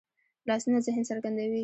لاسونه ذهن څرګندوي